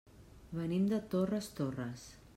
Venim de Torres Torres.